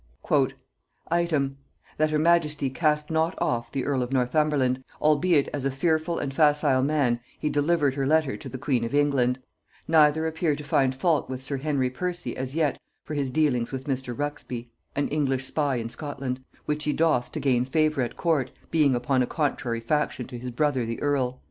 "Item, that her majesty cast not off the earl of Northumberland, albeit as a fearful and facile man he delivered her letter to the queen of England; neither appear to find fault with sir Henry Percy as yet for his dealing with Mr. Ruxbie," (an English spy in Scotland) "which he doth to gain favor at court, being upon a contrary faction to his brother the earl."